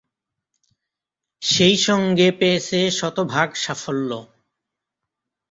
সেই সঙ্গে পেয়েছে শতভাগ সাফল্য।